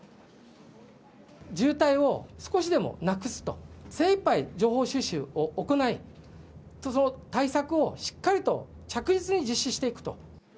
渋滞を少しでもなくすと、精いっぱい情報収集を行い、対策をしっかりと着実に実施していくと。